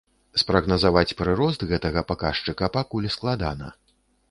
Спрагназаваць прырост гэтага паказчыка пакуль складана.